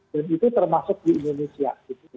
dan itu termasuk di indonesia